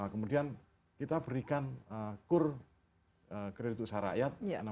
kemudian kita berikan kur kredit usaha rakyat